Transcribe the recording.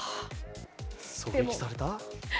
狙撃された？